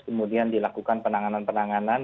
kemudian dilakukan penanganan penanganan